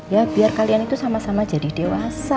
ya biar kalian itu sama sama jadi dewasa